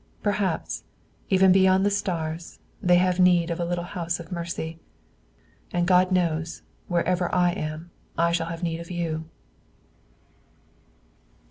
Perhaps, even beyond the stars, they have need of a little house of mercy. And God knows, wherever I am, I shall have need of you."